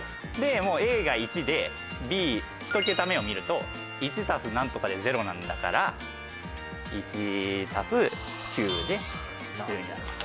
Ａが１でＢ一桁目を見ると１＋何とかで０なんだから１＋９で１０になると。